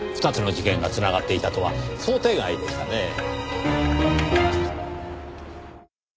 ２つの事件が繋がっていたとは想定外でしたね。